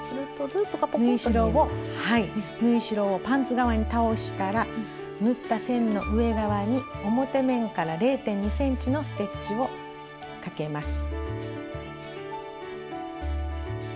縫い代をパンツ側に倒したら縫った線の上側に表面から０．２ｃｍのステッチをかけます。